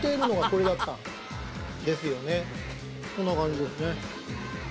こんな感じですね。